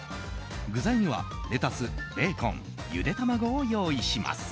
具材にはレタス、ベーコンゆで卵を用意します。